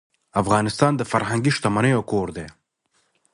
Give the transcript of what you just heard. افغانستان د فرهنګي شتمنیو کور دی.